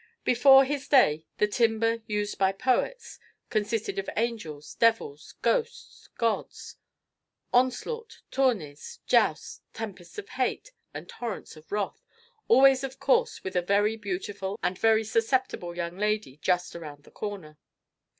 Before his day the "timber" used by poets consisted of angels, devils, ghosts, gods; onslaught, tourneys, jousts, tempests of hate and torrents of wrath, always of course with a very beautiful and very susceptible young lady just around the corner.